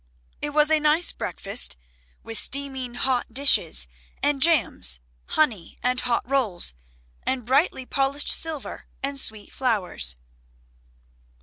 It was a nice breakfast with steaming hot dishes, and jams, honey, and hot rolls, and brightly polished silver, and sweet flowers.